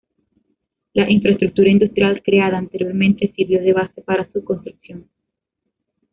La infraestructura industrial creada anteriormente sirvió de base para su construcción.